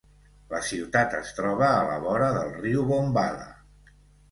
La ciutat es troba a la vora del riu Bombala.